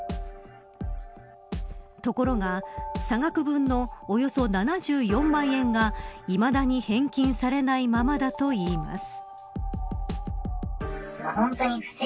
ところが差額分のおよそ７４万円がいまだに返金されないままだといいます。